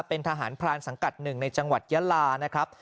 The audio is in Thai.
เป็นทหารพรานสังกัดหนึ่งในจังหวัดยาลานะครับ